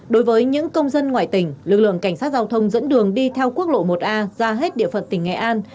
đối với những công dân ngoài tỉnh lực lượng cảnh sát giao thông dẫn đường đi theo quốc lộ một a ra hết địa phận tỉnh nghệ an